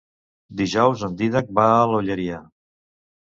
Dijous en Dídac va a l'Olleria.